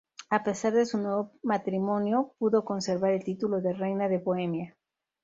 A pesar de su nuevo matrimonio, pudo conservar el título de reina de Bohemia.